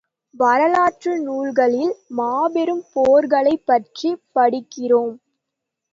வரலாற்று நூல்களில் மாபெரும் போர்களைப் பற்றிப் படிக்கிறோம்.